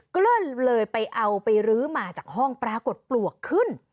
ก็เลยไปเอาไปรื้อมาจากห้องปรากฏปลวกขึ้น